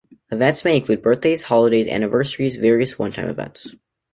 Events may include birthdays, holidays, anniversaries, various one-time events.